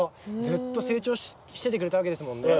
ずっと成長しててくれたわけですもんね。